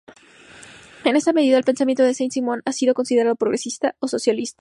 En esa medida, el pensamiento de Saint Simon ha sido considerado "progresista" o "socialista".